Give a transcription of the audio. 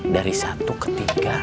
dari satu ke tiga